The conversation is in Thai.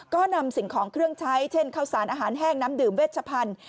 ก็นำสิ่งของเครื่องใช้เช่นข้าวสารอาหารแห้งน้ำดื่มเวชพันธุ์